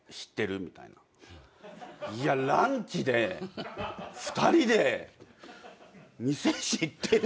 いやランチで２人で「店知ってる？」